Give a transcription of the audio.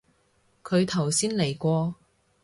佢頭先嚟過